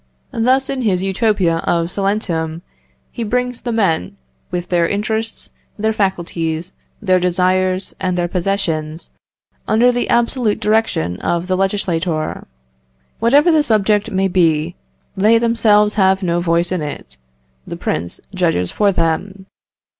Thus, in his Utopia of Salentum, he brings the men, with their interests, their faculties, their desires, and their possessions, under the absolute direction of the legislator. Whatever the subject may be, they themselves have no voice in it the prince judges for them.